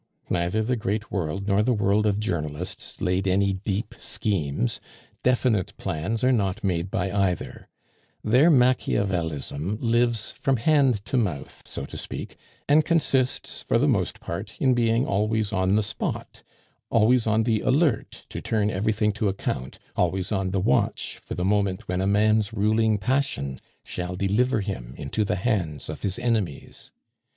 Neither the great world nor the world of journalists laid any deep schemes; definite plans are not made by either; their Machiavelism lives from hand to mouth, so to speak, and consists, for the most part, in being always on the spot, always on the alert to turn everything to account, always on the watch for the moment when a man's ruling passion shall deliver him into the hands of his enemies.